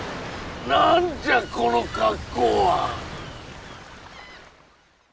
何じゃこの格好は！？